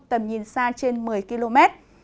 tầm nhìn xa trên một mươi km